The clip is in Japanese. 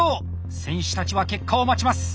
選手たちは結果を待ちます。